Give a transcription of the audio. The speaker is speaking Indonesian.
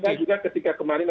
jadi juga ketika kemarin